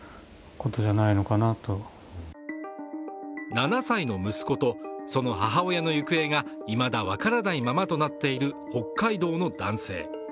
７歳の息子とその母親の行方がいまだ分からないままとなっている北海道の男性。